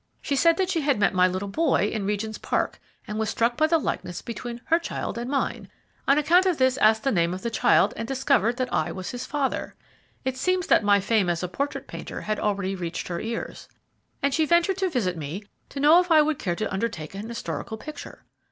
She said that she had met my little boy in Regent's Park, was struck by the likeness between her child and mine; on account of this asked the name of the child, discovered that I was his father (it seems that my fame as a portrait painter had already reached her ears), and she ventured to visit me to know if I would care to undertake an historical picture.